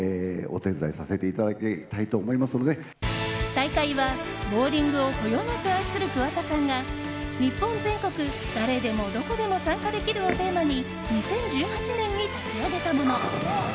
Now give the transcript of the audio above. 大会は、ボウリングをこよなく愛する桑田さんが日本全国、誰でもどこでも参加できるをテーマに２０１８年に立ち上げたもの。